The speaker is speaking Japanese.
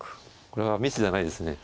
これはミスじゃないですね。